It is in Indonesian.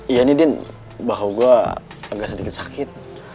iya nih din bahu gue agak sedikit sakit